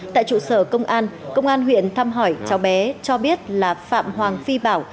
tại trụ sở công an công an huyện thăm hỏi cháu bé cho biết là phạm hoàng phi bảo